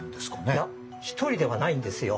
いや１人ではないんですよ。